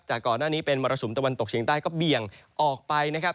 ก่อนหน้านี้เป็นมรสุมตะวันตกเฉียงใต้ก็เบี่ยงออกไปนะครับ